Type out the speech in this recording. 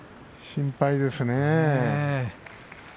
心配ですね。